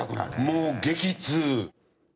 もう激痛。